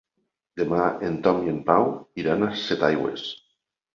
Demà en Tom i en Pau iran a Setaigües.